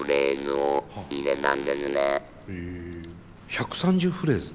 １３０フレーズ。